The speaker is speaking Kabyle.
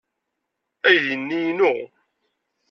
Aydi-nni inu.